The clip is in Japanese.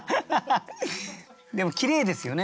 でもきれいですよね